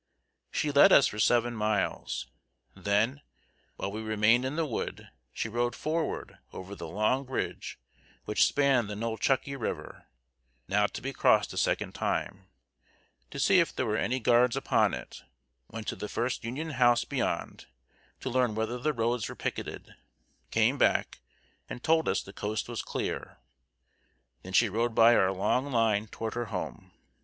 She led us for seven miles. Then, while we remained in the wood, she rode forward over the long bridge which spanned the Nolechucky River (now to be crossed a second time), to see if there were any guards upon it; went to the first Union house beyond, to learn whether the roads were picketed; came back, and told us the coast was clear. Then she rode by our long line toward her home.